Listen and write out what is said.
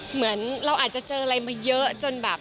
เหมือนเราอาจจะเจออะไรมาเยอะจนแบบ